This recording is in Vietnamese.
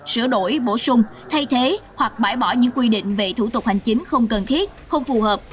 sửa đổi bổ sung thay thế hoặc bãi bỏ những quy định về thủ tục hành chính không cần thiết không phù hợp